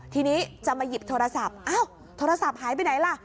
ทีนี้จะมาหยิบโทรศัพท์อ้าวโทรศัพท์หายไปไหนล่ะ